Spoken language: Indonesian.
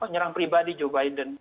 nyerang pribadi joe biden